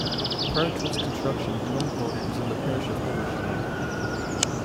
Prior to its construction Milnthorpe was in the parish of Heversham.